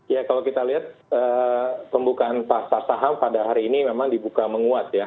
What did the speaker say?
ya kalau kita lihat pembukaan pasar saham pada hari ini memang dibuka menguat ya